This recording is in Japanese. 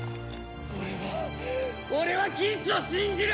俺は俺はギーツを信じる！